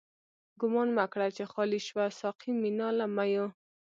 ګومان مه کړه چی خالی شوه، ساقی مينا له ميو